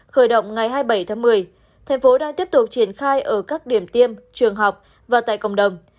vừa động ngày hai mươi bảy một mươi tp hcm đang tiếp tục triển khai ở các điểm tiêm trường học và tại cộng đồng